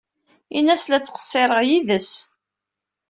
Ini-as la ttqeṣṣireɣ yid-s.